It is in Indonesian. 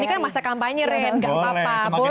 ini kan masa kampanye ren gak apa apa